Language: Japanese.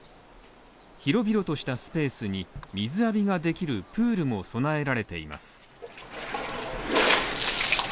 広々としたスペースに水浴びができるプールも備えられています。